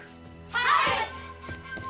はい！